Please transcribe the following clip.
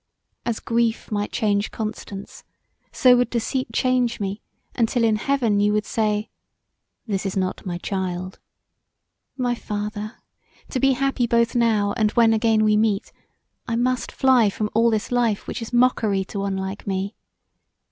As grief might change Constance so would deceit change me untill in heaven you would say, "This is not my child" My father, to be happy both now and when again we meet I must fly from all this life which is mockery to one like me.